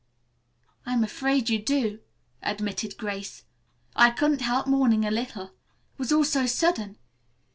"I'm afraid you do," admitted Grace. "I couldn't help mourning a little. It was all so sudden.